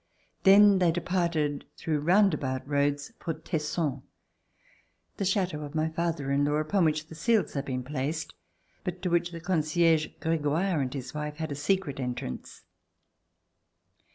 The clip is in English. Then they departed, through round about roads, for Tes son, the chateau of my father in law, upon which the seals had been placed, but to which the concierge Gregoire and his wife had a secret entrance.